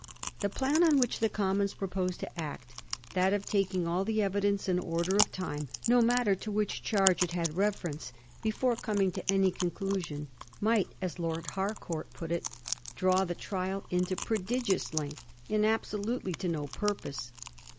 The plan on which the Commons proposed to act, that of taking all the evidence in order of time, no matter to which charge it had reference, before coming to any conclusion, might, as Lord Harcourt put it, ^ draw the trial into prodigious length,' and absolutely to no pur pose.